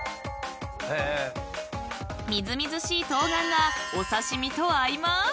［みずみずしい冬瓜がお刺し身と合います］